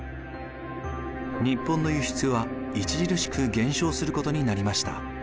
日本の輸出は著しく減少することになりました。